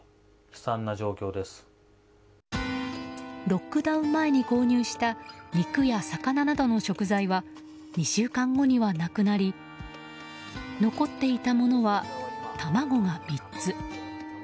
ロックダウン前に購入した肉や魚などの食材は２週間後にはなくなり残っていたものは、卵が３つ。